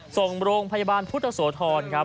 ส่งโรงพยาบาลพุทธโสธรครับ